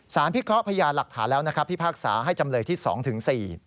สารพิเคราะห์พญาห์หลักฐานแล้วนะครับพี่ภาคสาห์ให้จำเลยที่๒ถึง๔